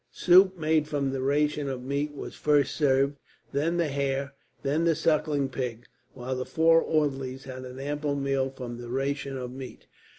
Soup made from the ration of meat was first served, then the hare, and then the sucking pig, while the four orderlies had an ample meal from the ration of meat.